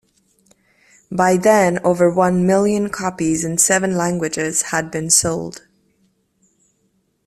By then over one million copies in seven languages had been sold.